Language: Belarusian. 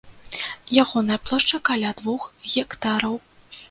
Ягоная плошча каля двух гектараў.